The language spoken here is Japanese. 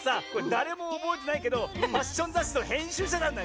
だれもおぼえてないけどファッションざっしのへんしゅうしゃなんだ！